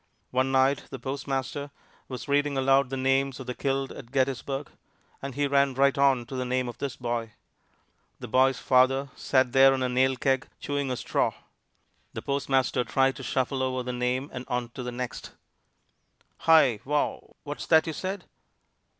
One night the postmaster was reading aloud the names of the killed at Gettysburg, and he ran right on to the name of this boy. The boy's father sat there on a nail keg, chewing a straw. The postmaster tried to shuffle over the name and on to the next. "Hi! Wha what's that you said?"